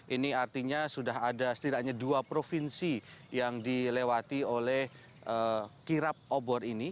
ini artinya sudah ada setidaknya dua provinsi yang dilewati oleh kirap obor ini